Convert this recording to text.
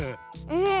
うん。